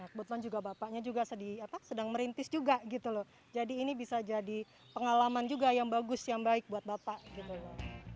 kebetulan juga bapaknya juga sedih apa sedang merintis juga gitu loh jadi ini bisa jadi pengalaman juga yang bagus yang baik buat bapak gitu loh